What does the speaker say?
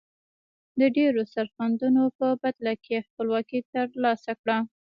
د ډیرو سرښندنو په بدله کې خپلواکي تر لاسه کړه.